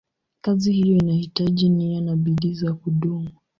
Kazi hiyo inahitaji nia na bidii za kudumu.